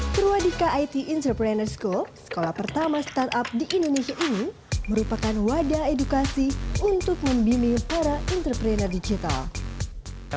purwadika it entrepreneur school sekolah pertama startup di indonesia ini merupakan wadah edukasi untuk membimbing para entrepreneur digital